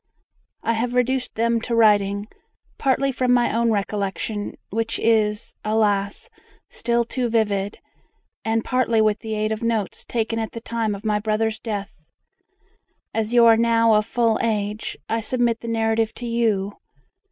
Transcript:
I have reduced them to writing, partly from my own recollection, which is, alas! still too vivid, and partly with the aid of notes taken at the time of my brother's death. As you are now of full age, I submit the narrative to you.